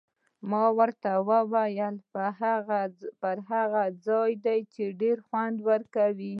ما ورته وویل: پر هغه ځای دې، چې ډېر خوند راکوي.